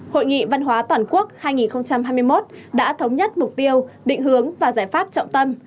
hội nghị văn hóa toàn quốc hai nghìn hai mươi một đã thống nhất mục tiêu định hướng và giải pháp trọng tâm